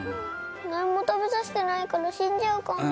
何も食べさせてないから死んじゃうかも。